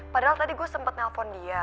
padahal tadi gue sempet nelpon dia